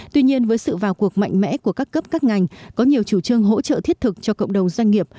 tuy nhiên với sự vào cuộc mạnh mẽ của các cấp các ngành có nhiều chủ trương hỗ trợ thiết thực cho cộng đồng doanh nghiệp